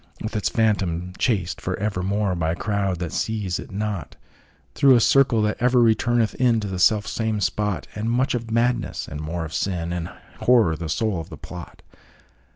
With its Phantom chased for evermore, By a crowd that seize it not, Through a circle that ever returneth inTo the self same spot, And much of Madness, and more of Sin, And Horror the soul of the plot.